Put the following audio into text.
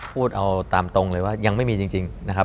พูดเอาตามตรงเลยว่ายังไม่มีจริงนะครับ